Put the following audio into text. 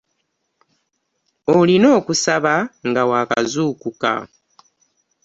Olina okusaba nga wakazuukuka.